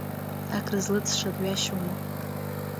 Акрызлыҵша дҩашьома!